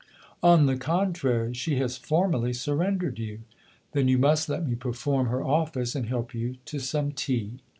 " On the contrary ; she has formally surrendered you." " Then you must let me perform her office and help you to some tea."